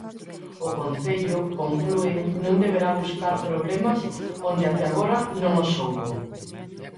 O Concello, conclúen, non debera "buscar problemas onde até agora non os houbo".